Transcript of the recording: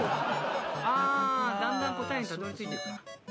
あだんだん答えにたどり着いてく。